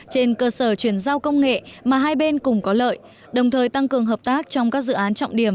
trên cơ sở chuyển giao công nghệ mà hai bên cùng có lợi đồng thời tăng cường hợp tác trong các dự án trọng điểm